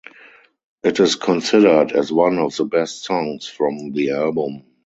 It is considered as one of the best songs from the album.